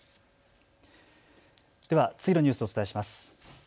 では次のニュースをお伝えします。